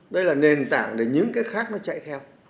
đây là nền tảng để những cái khác nó chạy theo